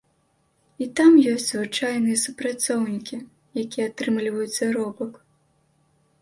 І там ёсць звычайныя супрацоўнікі, якія атрымліваюць заробак.